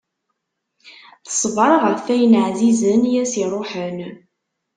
Teṣber ɣef wayen ɛzizen i as-iruḥen.